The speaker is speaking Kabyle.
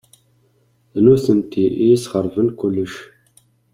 D nutenti i yesxeṛben kullec.